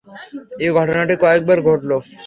এ ঘটনাটি কয়েকবার ঘটল।